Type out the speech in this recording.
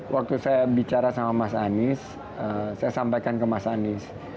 waktu saya bicara sama mas anies saya sampaikan ke mas anies